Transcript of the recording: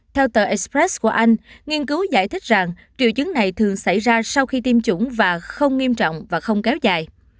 theo tờ express của anh nghiên cứu giải thích rằng triệu chứng này thường xảy ra sau khi tiêm chủng và không nghiêm trọng và không kéo dài